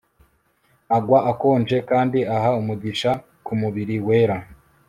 agwa akonje kandi aha umugisha kumubiri wera